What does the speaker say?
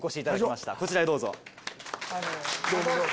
こちらへどうぞ。